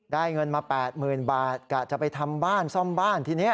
เงินมา๘๐๐๐บาทกะจะไปทำบ้านซ่อมบ้านทีนี้